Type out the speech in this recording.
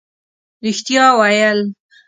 رښتیا ویل